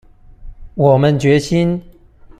我們決心